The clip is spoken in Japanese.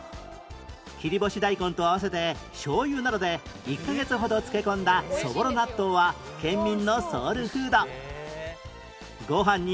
切り干し大根と合わせてしょう油などで１カ月ほど漬け込んだそぼろ納豆は県民のソウルフード